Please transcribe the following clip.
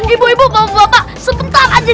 ibu ibu bapak sebentar aja